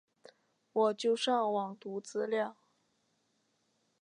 我就上网读资料